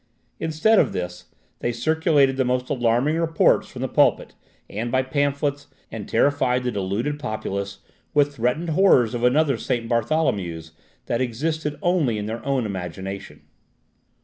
Instead of this, they circulated the most alarming reports from the pulpit, and by pamphlets, and terrified the deluded populace with threatened horrors of another Saint Bartholomew's that existed only in their own imagination.